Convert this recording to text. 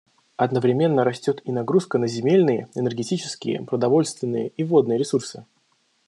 Одновременно растет и нагрузка на земельные, энергетические, продовольственные и водные ресурсы.